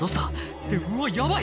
「ってうわヤバい！